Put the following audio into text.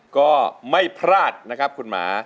ก็ไม่พลาดนะครับคุณหมา